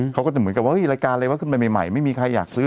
เขาก็จะเหมือนกับว่ารายการอะไรวะขึ้นไปใหม่ไม่มีใครอยากซื้อ